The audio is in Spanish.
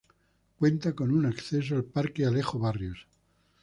Cuenta con un acceso al Parque Alejo Barrios.